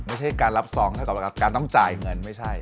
ไม่ใช่การรับซองเท่ากับการต้องจ่ายเงินไม่ใช่